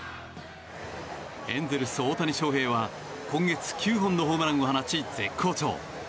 エンゼルス、大谷翔平は今月９本のホームランを放ち絶好調。